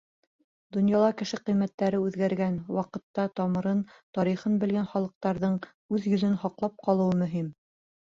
Донъяла кеше ҡиммәттәре үҙгәргән ваҡытта тамырын, тарихын белгән халыҡтарҙың үҙ йөҙөн һаҡлап ҡалыуы мөһим.